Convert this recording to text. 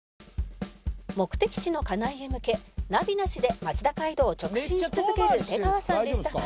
「目的地の金井へ向けナビなしで町田街道を直進し続ける出川さんでしたが」